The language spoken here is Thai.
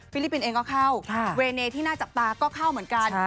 ลิปปินส์เองก็เข้าเวเนที่น่าจับตาก็เข้าเหมือนกัน